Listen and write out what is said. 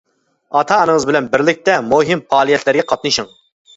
ئاتا-ئانىڭىز بىلەن بىرلىكتە مۇھىم پائالىيەتلەرگە قاتنىشىڭ.